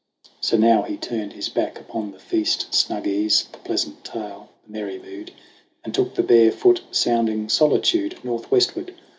So now he turned his back upon the feast, Snug ease, the pleasant tale, the merry mood, And took the bare, foot sounding solitude Northwestward.